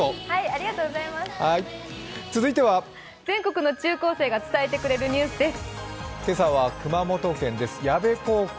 全国の中高生が伝えてくれるニュースです。